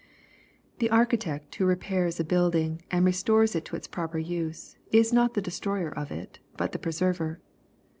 The architect who repairs a building, and restores it to its proper use, is not the destroyer of it, but the preserver.